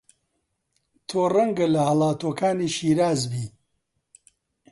تۆ ڕەنگە لە هەڵاتووەکانی شیراز بی